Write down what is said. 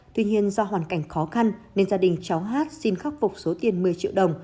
tuy nhiên do hoàn cảnh khó khăn nên gia đình cháu hát xin khắc phục số tiền một mươi triệu đồng